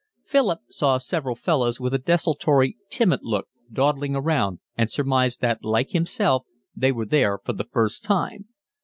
Philip saw several fellows with a desultory, timid look dawdling around, and surmised that, like himself, they were there for the first time.